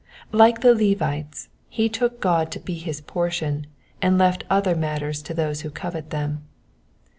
Like the Levites, he took God to be his portion, and left other matters to those who coveted them.